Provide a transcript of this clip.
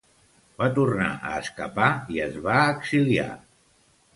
Va tornar a escapar i es va exiliar.